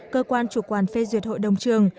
cơ quan chủ quản phê duyệt hội đồng trường